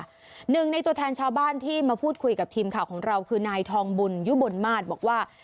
หนึ่งในตัวแทนชาวบ้านที่มาพูดคุยกับทีมข่าวของเราคือนายทองบุญยุบลมาตรบอกว่า